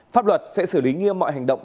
pháp luật sẽ xử lý nghiêm mọi hành động